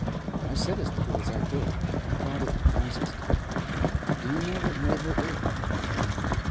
'I said as little as I could; I thought it wisest. Do you know what made her ill?